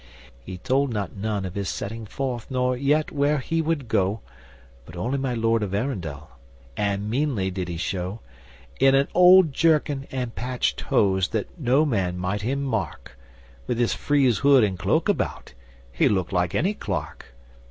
He told not none of his setting forth, nor yet where he would go (But only my Lord of Arundel), and meanly did he show, In an old jerkin and patched hose that no man might him mark; With his frieze hood and cloak about, he looked like any clerk.